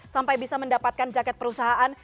sampai bisa mendapatkan jaket perusahaan